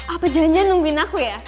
apa janjian nungguin aku ya